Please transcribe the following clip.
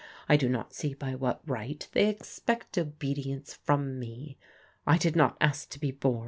I do not see by what right they expect obedience from me. I did not ask to be bom.